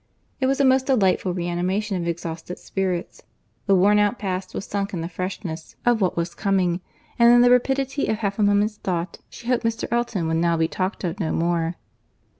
It was a most delightful reanimation of exhausted spirits. The worn out past was sunk in the freshness of what was coming; and in the rapidity of half a moment's thought, she hoped Mr. Elton would now be talked of no more.